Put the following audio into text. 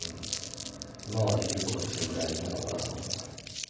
今はできることはそのぐらいなのかなと思います。